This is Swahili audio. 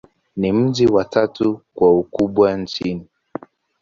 Ni mji wa tatu kwa ukubwa nchini.